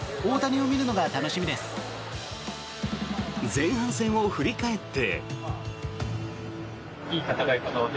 前半戦を振り返って。